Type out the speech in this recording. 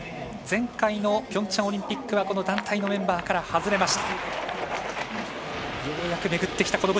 前回のピョンチャンオリンピック団体のメンバーから外れました。